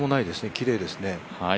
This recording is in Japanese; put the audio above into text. きれいですね。